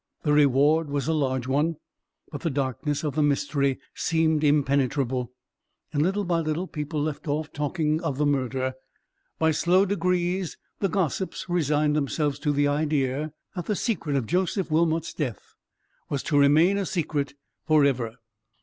The reward was a large one; but the darkness of the mystery seemed impenetrable, and little by little people left off talking of the murder. By slow degrees the gossips resigned themselves to the idea that the secret of Joseph Wilmot's death was to remain a secret for ever.